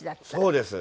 そうです。